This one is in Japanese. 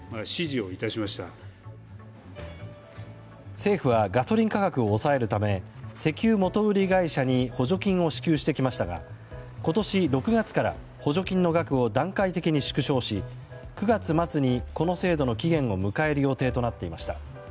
政府はガソリン価格を抑えるため石油元売り会社に補助金を支給してきましたが今年６月から補助金の額を段階的に縮小し９月末にこの制度の期限を迎える予定となっていました。